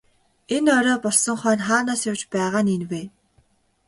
Энэ орой болсон хойно хаанаас явж байгаа нь энэ вэ?